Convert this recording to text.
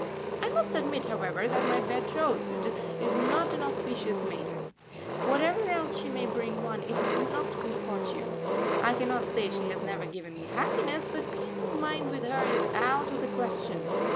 ] I must admit, however, that my betrothed is not an auspicious maiden whatever else she may bring one, it is not good fortune. I cannot say she has never given me happiness, but peace of mind with her is out of the question.